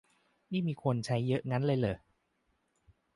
นี่มีคนใช้เยอะงั้นเลยเหรอ